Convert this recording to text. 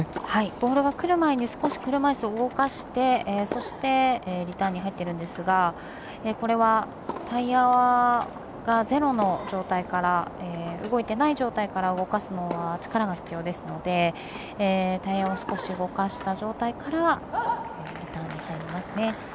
ボールが来る前に車いすを動かしてそしてリターンに入っているんですがこれはタイヤがゼロの状態から動いてない状態から動かすのは力が必要ですのでタイヤを少し動かした状態からリターンに入りますね。